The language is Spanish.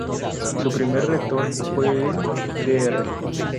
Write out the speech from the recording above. Su primer Rector fue el Dr.